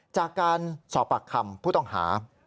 จากการสอบปากคำผู้ต้องหา